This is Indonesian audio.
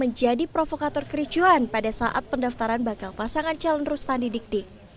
menjadi provokator kericuan pada saat pendaftaran bakal pasangan calon rustandi dik dik